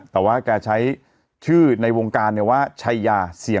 แต่ว่าแกใช่ชื่อในวงการชัยยา